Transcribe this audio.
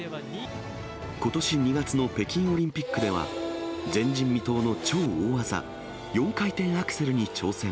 ことし２月の北京オリンピックでは、前人未到の超大技、４回転アクセルに挑戦。